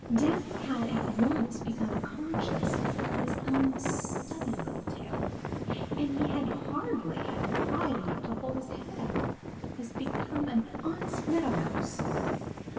Danny had at once become conscious of his own stubby little tail, and he had hardly had pride enough to hold his head up as became an honest Meadow Mouse.